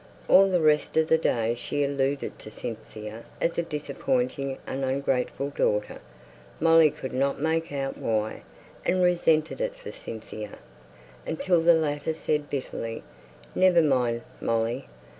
All the rest of the day she alluded to Cynthia as a disappointing and ungrateful daughter; Molly could not make out why, and resented it for Cynthia, until the latter said, bitterly, "Never mind, Molly.